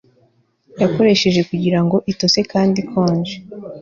Hordes yakoresheje kugirango itose kandi ikonje